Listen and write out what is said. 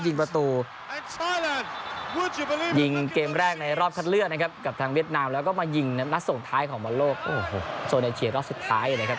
ยิงเกมแรกในรอบคัดเลือดนะครับกับทางเวียดนามแล้วก็มายิงในนัดส่งท้ายของบรรโลกโซเนเชียรอบสุดท้ายนะครับ